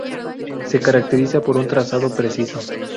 Se caracteriza por un trazado preciso.